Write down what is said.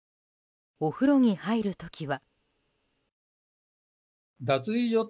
お風呂に入る時は。